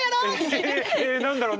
何だろう？